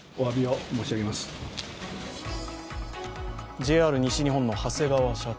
ＪＲ西日本の長谷川社長